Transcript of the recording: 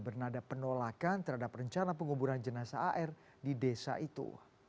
bernada penolakan terhadap rencana penguburan jenazah ar di desa itu